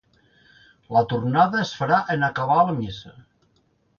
La tornada es farà en acabar la missa.